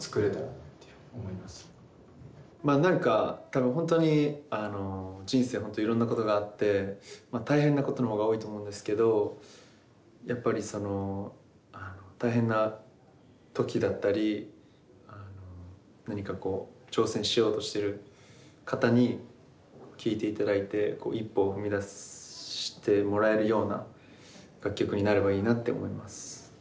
まあ何か多分本当に人生いろんなことがあって大変なことの方が多いと思うんですけどやっぱりその大変な時だったり何かこう挑戦しようとしてる方に聴いていただいて一歩を踏み出してもらえるような楽曲になればいいなって思います。